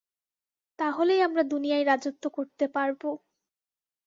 তাহলেই আমরা দুনিয়ায় রাজত্ব করতে পারবো।